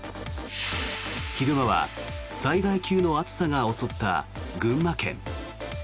昼間は災害級の暑さが襲った群馬県。